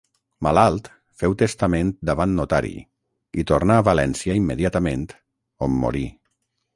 Malalt, féu testament davant notari, i tornà a València immediatament, on morí.